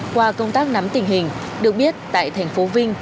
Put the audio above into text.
qua công tác nắm tình hình được biết tại thành phố vinh